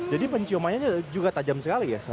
jadi penciumannya juga tajam sekali ya